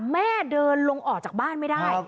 แม่เดินลงออกจากบ้านไม่ได้